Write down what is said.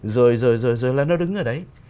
rồi là nó đứng ở đấy